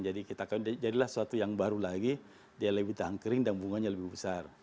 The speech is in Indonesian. jadi kita kahwinkan jadilah suatu yang baru lagi dia lebih tahan kering dan bunganya lebih besar